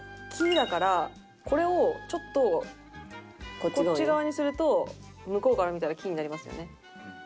「キ」だからこれをちょっとこっち側にすると向こうから見たら「キ」になりますよね。